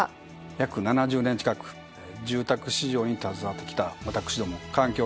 約７０年近く住宅市場に携わってきた私ども環境